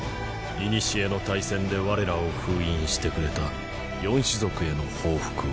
古の大戦で我らを封印してくれた四種族への報復を。